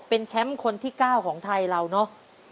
เป็นแชมป์คนที่๙ของไทยเราเนอะ